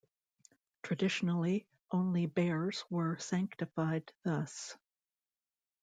Traditionally, only bears were sanctified thus.